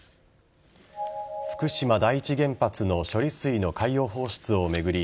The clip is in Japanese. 福島第一原発の処理水の海洋放出を巡り